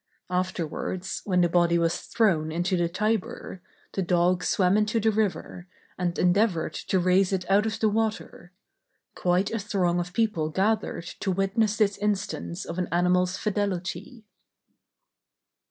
Afterwards, when the body was thrown into the Tiber, the dog swam into the river, and endeavored to raise it out of the water; quite a throng of people gathered to witness this instance of an animal's fidelity.